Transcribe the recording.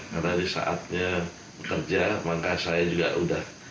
karena ini saatnya bekerja maka saya juga sudah